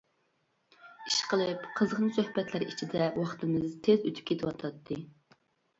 ئىشقىلىپ قىزغىن سۆھبەتلەر ئىچىدە ۋاقتىمىز تېز ئۆتۈپ كېتىۋاتاتتى.